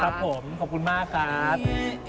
ครับผมขอบคุณมากครับ